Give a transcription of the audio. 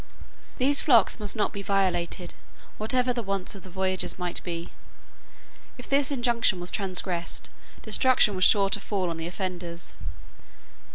These flocks must not be violated, whatever the wants of the voyagers might be. If this injunction were transgressed destruction was sure to fall on the offenders.